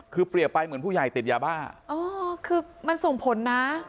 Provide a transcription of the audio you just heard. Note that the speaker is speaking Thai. คือเปรียบไปเหมือนผู้ใหญ่ติดยาบ้าอ๋อคือมันส่งผลนะ